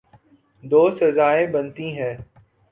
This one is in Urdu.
دو سزائیں بنتی ہیں۔